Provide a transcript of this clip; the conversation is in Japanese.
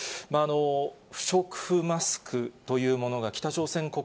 不織布マスクというものが、北朝鮮国